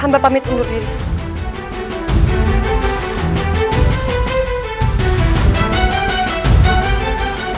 hamba pamit undur diri